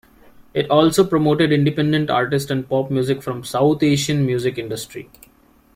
It also promoted independent artist and pop music from south-Asian music Industry.